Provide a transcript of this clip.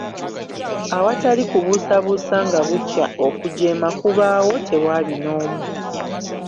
Awatali kubuusabuusa nga bukya okujeema kubaawo tewaali n'omu.